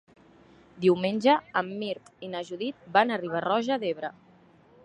Diumenge en Mirt i na Judit van a Riba-roja d'Ebre.